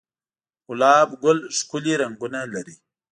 گلاب گل ښکلي رنگونه لري